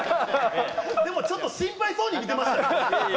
でも、ちょっと心配そうに見てましたよ。